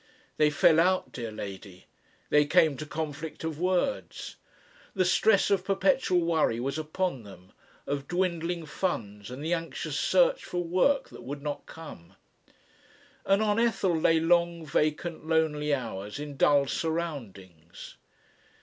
They fell out, dear lady! they came to conflict of words. The stress of perpetual worry was upon them, of dwindling funds and the anxious search for work that would not come. And on Ethel lay long, vacant, lonely hours in dull surroundings.